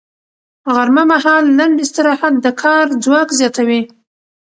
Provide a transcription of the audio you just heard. غرمه مهال لنډ استراحت د کار ځواک زیاتوي